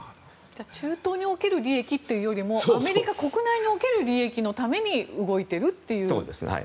中東における利益というよりもアメリカ国内における利益のためにそうですね。